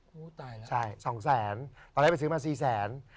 อู้วตายละใช่๒แสนตอนนี้ไปซื้อมา๔แสน